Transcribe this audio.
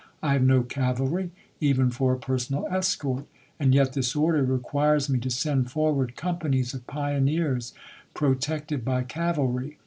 I have no cavalry even for a personal escort, and yet this order requires me to send forward companies of pioneers protected by cavalry.